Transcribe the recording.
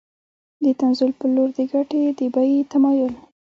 د تنزل په لور د ګټې د بیې تمایل